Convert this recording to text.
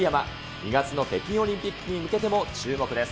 ２月の北京オリンピックに向けても、注目です。